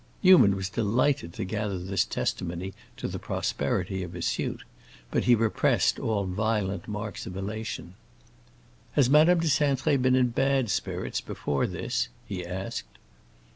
Newman was delighted to gather this testimony to the prosperity of his suit, but he repressed all violent marks of elation. "Has Madame de Cintré been in bad spirits before this?" he asked.